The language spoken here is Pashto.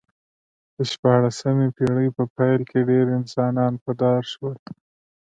د شپاړسمې پېړۍ په پیل کې ډېر انسانان په دار شول